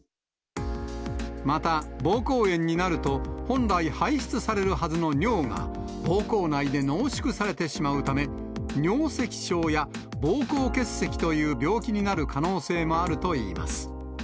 また、膀胱炎になると、本来、排出されるはずの尿が、膀胱内で濃縮されてしまうため、尿石症や膀胱結石という病気になる可能性もあるといいます。